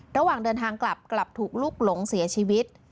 ระหว่างเดินทางกลับกลับถูกลุกหลงเสียชีวิต